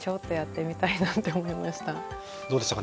どうでしたか？